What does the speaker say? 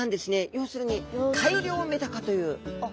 要するに「改良メダカ」という。